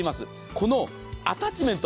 このアタッチメント。